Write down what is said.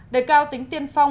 đề cao tính tiên phong